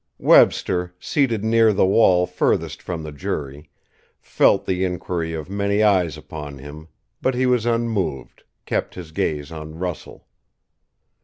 Webster, seated near the wall furthest from the jury, felt the inquiry of many eyes upon him, but he was unmoved, kept his gaze on Russell.